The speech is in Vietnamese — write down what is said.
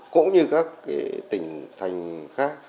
cũng như các tỉnh thành khác